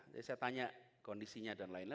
saya tanya kondisinya dan lain lain